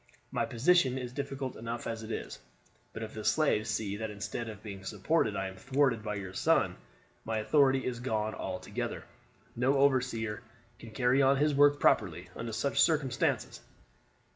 My position is difficult enough as it is; but if the slaves see that instead of being supported I am thwarted by your son, my authority is gone altogether. No overseer can carry on his work properly under such circumstances."